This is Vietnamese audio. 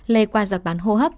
lây qua giọt bán hô hấp